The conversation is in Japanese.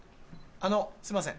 あのすいません